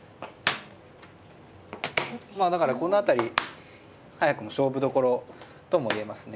まあだからこの辺り早くも勝負どころとも言えますね。